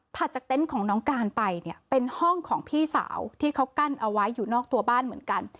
จากเต็นต์ของน้องการไปเนี่ยเป็นห้องของพี่สาวที่เขากั้นเอาไว้อยู่นอกตัวบ้านเหมือนกัน